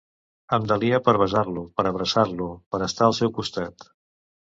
Em delia per besar-lo, per abraçar-lo, per estar al seu costat.